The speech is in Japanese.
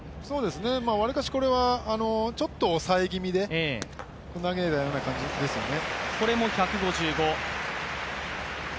わりかしこれはちょっと抑え気味で投げたような感じですよね。